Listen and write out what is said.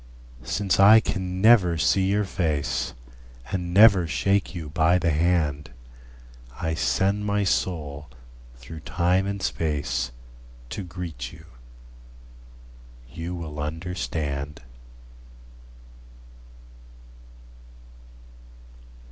Since I can never see your face, And never shake you by the hand, I send my soul through time and space To greet you. You will understand.